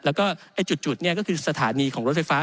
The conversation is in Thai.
แล้วก็จุดก็คือสถานีของรถไฟฟ้า